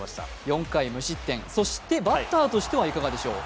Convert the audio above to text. ４回無失点、そしてバッターとしてはいかがでしょう？